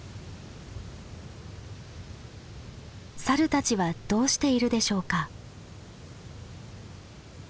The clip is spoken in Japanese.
サルたちはどうしているでしょうか？